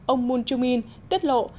ông moon jong in tiết lộ